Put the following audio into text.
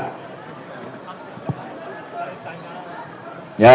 masih saya tanya